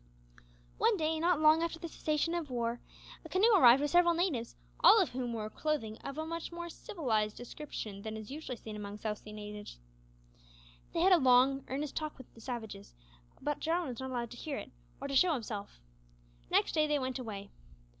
One day, not long after the cessation of the war, a canoe arrived with several natives, all of whom wore clothing of a much more civilised description than is usually seen among South Sea savages. They had a long, earnest talk with the natives, but Jarwin was not allowed to hear it, or to show himself. Next day they went away.